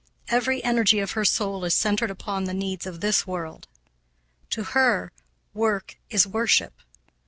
Every energy of her soul is centered upon the needs of this world. To her, work is worship.